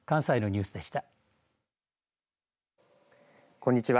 こんにちは。